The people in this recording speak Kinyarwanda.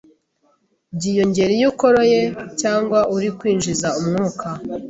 byiyongera iyo ukoroye cg uri kwinjiza umwuka.